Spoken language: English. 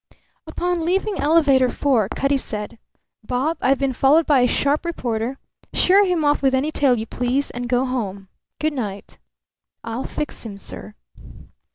Upon leaving Elevator Four Cutty said: "Bob, I've been followed by a sharp reporter. Sheer him off with any tale you please, and go home. Goodnight." "I'll fix him, sir."